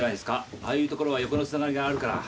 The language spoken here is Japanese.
ああいうところは横のつながりがあるから。